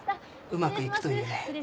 うまくいくといいね。